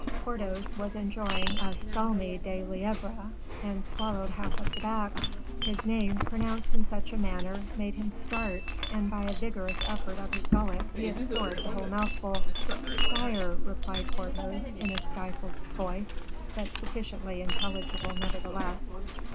Porthos was enjoying a salmi de lievre, and swallowed half of the back. His name, pronounced in such a manner, made him start, and by a vigorous effort of his gullet he absorbed the whole mouthful. "Sire," replied Porthos, in a stifled voice, but sufficiently intelligible, nevertheless.